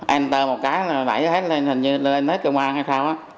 enter một cái nãy hết lên hình như lên hết cơ quan hay sao